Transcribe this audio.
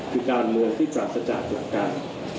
คือการเมืองที่ปราศจากหลักการ